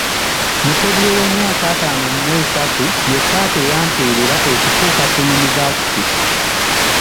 Mutebi ow’emyaka ataano mu esatu ye taata eyampeerera okutuukaku Yunivaasite.